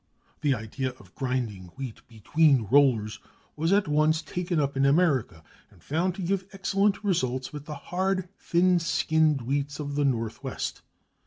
The idea of grinding wheat between rollers was at once taken up in America and found to give excellent results with the hard thin skinned wheats of the north west.